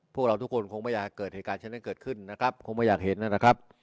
พวกเราทุกคนคงไม่อยากเกิดเหตุการณ์เช่นนั้นเกิดขึ้นนะครับคงไม่อยากเห็นนะครับ